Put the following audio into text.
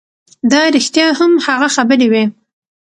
دا رښتیا هم هغه خبرې وې